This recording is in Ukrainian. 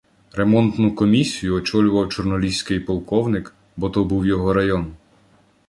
"Ремонтну комісію" очолював чорноліський полковник, бо то був його район.